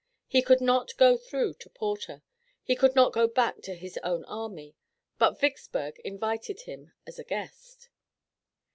He could not go through to Porter, he could not go back to his own army, but Vicksburg invited him as a guest.